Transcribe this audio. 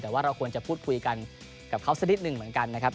แต่ว่าเราควรจะพูดคุยกันกับเขาสักนิดหนึ่งเหมือนกันนะครับ